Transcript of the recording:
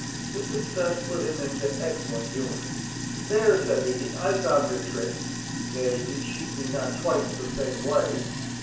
His success put him into excellent humour. "There," said he, "I found your trick—nay, you cheat me not twice the same way.